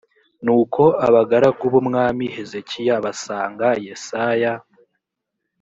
nuko abagaragu b’umwami hezekiya basanga yesaya